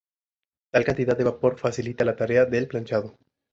Tal cantidad de vapor facilita la tarea del planchado.